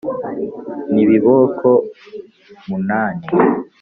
N'ibiboko munani.